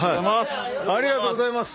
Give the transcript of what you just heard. ありがとうございます。